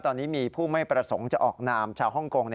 ตอนนี้มีผู้ไม่ประสงค์จะออกนามชาวฮ่องกง